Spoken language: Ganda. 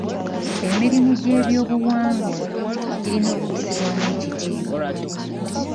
Emirimu gy'ebyobuwangwa girina okussibwamu ekitiibwa.